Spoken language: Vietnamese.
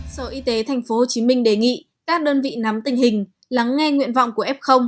sở y tế tp hcm đề nghị các đơn vị nắm tình hình lắng nghe nguyện vọng của f